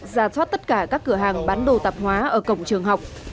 ra thoát tất cả các cửa hàng bán đồ tạp hóa ở cổng trường học